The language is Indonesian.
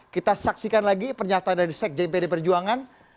kita saksikan lagi pernyataan dari sekjen pd perjuangan